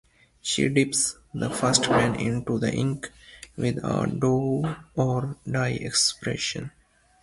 She dips the first pen into the ink with a do-or-die expression.